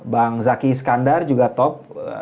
bang zaki iskandar juga top